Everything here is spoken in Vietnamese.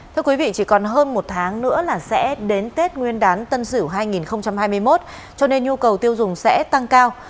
thưa quý vị chỉ còn hơn một tháng nữa là sẽ đến tết nguyên đán tân sửu hai nghìn hai mươi một cho nên nhu cầu tiêu dùng sẽ tăng cao